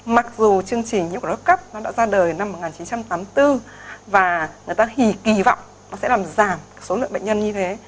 mặc dù chương trình nhiễm quẩn hốp cấp nó đã ra đời năm một nghìn chín trăm tám mươi bốn và người ta hì kì vọng nó sẽ làm giảm số lượng bệnh nhân như thế